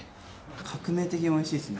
革命的においしいですね。